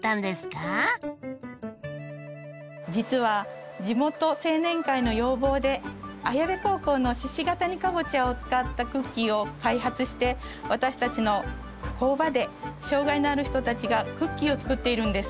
実は地元青年会の要望で綾部高校の鹿ケ谷かぼちゃを使ったクッキーを開発して私たちの工場で障害のある人たちがクッキーを作っているんです。